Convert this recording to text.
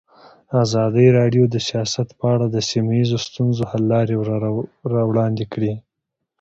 ازادي راډیو د سیاست په اړه د سیمه ییزو ستونزو حل لارې راوړاندې کړې.